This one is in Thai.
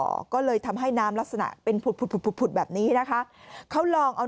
ออกก็เลยทำให้น้ำลักษณะเป็นผุดผุดผุดแบบนี้นะคะเขาลองเอา